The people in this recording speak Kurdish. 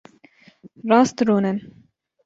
Rast rûnin.